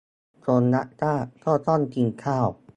คนรักชาติก็ต้องกินข้าว